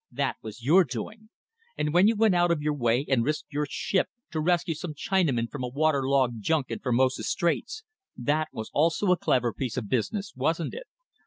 That was your doing. ... And when you went out of your way and risked your ship to rescue some Chinamen from a water logged junk in Formosa Straits, that was also a clever piece of business. Wasn't it?